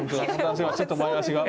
ちょっと前足が。